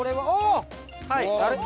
あれ？